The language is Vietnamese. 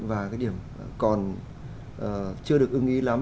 và cái điểm còn chưa được ưng ý lắm